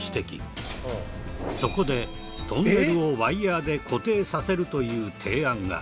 そこでトンネルをワイヤーで固定させるという提案が。